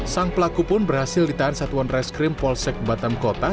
sang pelaku pun berhasil ditahan satuan reskrim polsek batam kota